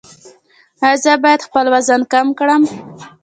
ایا زه باید خپل وزن کم کړم؟